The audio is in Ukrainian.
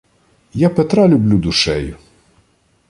Я Петра люблю душею